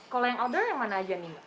kalau yang outdoor yang mana aja nih mbak